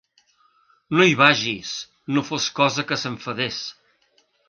No hi vagis, no fos cosa que s'enfadés.